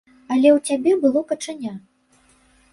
Але ў цябе было качаня.